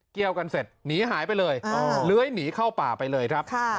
เกี่ยวกันเสร็จหนีหายไปเลยเลื้อยหนีเข้าป่าไปเลยครับ